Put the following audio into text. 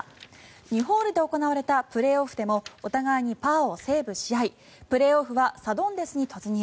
２ホールで行われたプレーオフでもお互いにパーをセーブしプレーオフはサドンデスに突入。